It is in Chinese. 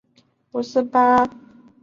当时他的老师为林立三以及罗冠兰。